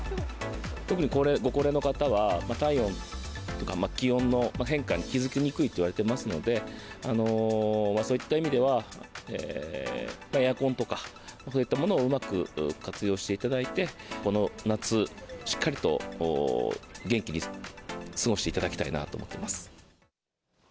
特にご高齢の方は、体温とか気温の変化に気付きにくいといわれてますので、そういった意味では、エアコンとか、そういったものをうまく活用していただいて、この夏、しっかりと元気に過ごしていただきたいなと思ってます。